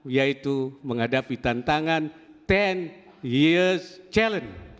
yaitu menghadapi tantangan sepuluh years challenge